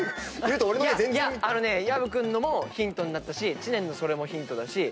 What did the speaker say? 薮君のもヒントになったし知念のそれもヒントだし